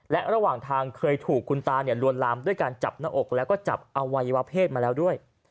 และระหว่างทางเคยถูกคุณตาลวนลามด้วยการจับหน้าอกแล้วก็จับอวัยวะเพศมาแล้วด้วย